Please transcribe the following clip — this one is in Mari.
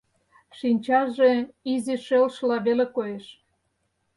Шинчаже изи шелшыла веле коеш.